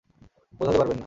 বোঝাতে পারবেন না!